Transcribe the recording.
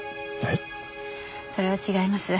えっ？それは違います。